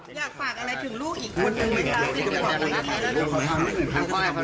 ไม่ค่อยอยากฝากอะไรถึงลูกอีก